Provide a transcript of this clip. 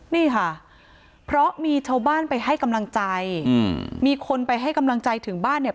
นี่ค่ะเพราะมีชาวบ้านไปให้กำลังใจอืมมีคนไปให้กำลังใจถึงบ้านเนี่ย